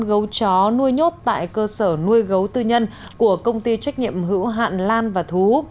gấu chó nuôi nhốt tại cơ sở nuôi gấu tư nhân của công ty trách nhiệm hữu hạn lan và thú